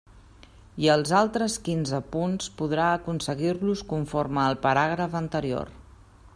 I els altres quinze punts podrà aconseguir-los conforme al paràgraf anterior.